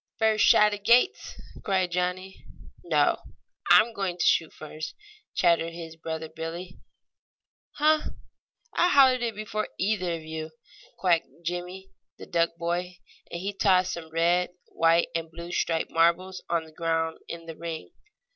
"First shot agates!" cried Johnnie. "No, I'm going to shoot first!" chattered his brother Billie. "Huh! I hollered it before either of you," quacked Jimmie, the duck boy, and he tossed some red, white and blue striped marbles on the ground in the ring.